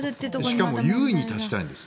しかも優位に立ちたいんです。